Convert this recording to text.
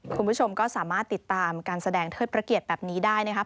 คุณผู้ชมก็สามารถติดตามการแสดงเทิดประเกียรติแบบนี้ได้นะครับ